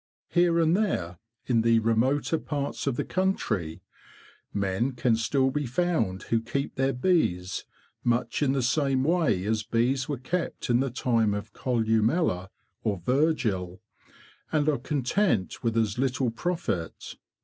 Here and there, in the remoter parts of the country, men can still be found who keep their bees much in the same way as bees were kept in the time of Columella or Virgil; and are content with as little profit.